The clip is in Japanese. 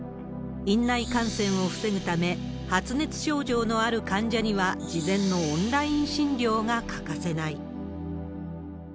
院内感染を防ぐため、発熱症状のある患者には、事前のオンライン診療が欠かせない。